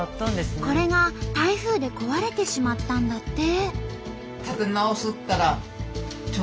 これが台風で壊れてしまったんだって。